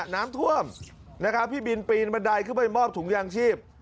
น้ำท่วมนะครับพี่บินปีนบันไดขึ้นไปมอบถุงยางชีพ